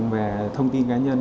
về thông tin cá nhân